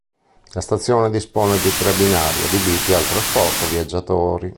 La stazione dispone di tre binari adibiti al trasporto viaggiatori.